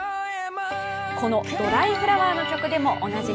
この「ドライフラワー」の曲でもおなじみ